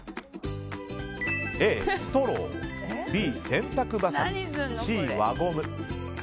Ａ、ストロー、Ｂ、洗濯ばさみＣ、輪ゴム。